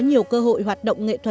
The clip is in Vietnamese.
nhiều khác khác trong thế giới